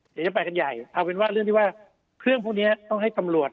เดี๋ยวจะไปกันใหญ่เอาเป็นว่าเรื่องที่ว่าเครื่องพวกนี้ต้องให้ตำรวจ